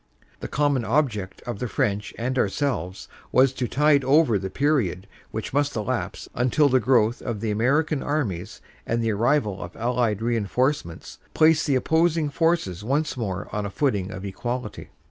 The com mon object of the French and ourselves was to tide over the period which must elapse until the growth of the American armies and the arrival of Allied reinforcements placed the opposing forces once more on a footing of equality."